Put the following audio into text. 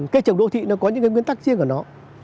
cây trồng đô thị nó có những cái nguyên tắc riêng của nó